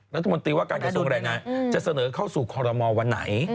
รัฐมนตรีว่าการกระทรวงแรงงานจะเสนอเข้าสู่คอรมอลวันไหน